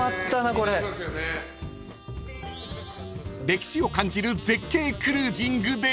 ［歴史を感じる絶景クルージングで］